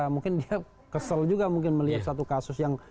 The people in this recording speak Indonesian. mungkin dia kesel juga mungkin melihat satu kasus yang